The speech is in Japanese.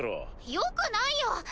よくないよ。